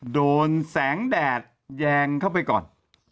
โดนแสงแดดแยงเข้าไปก่อน